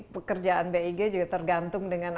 pekerjaan big juga tergantung dengan